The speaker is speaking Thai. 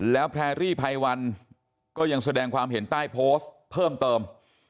แล้วแพรรี่ไพวันก็ยังแสดงความเห็นใต้โพสต์เพิ่มเติม